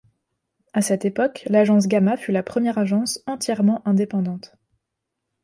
À cette époque l’agence Gamma fut la première agence entièrement indépendante.